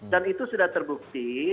dan itu sudah terbukti